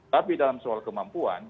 tapi dalam soal kemampuan